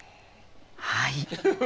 はい。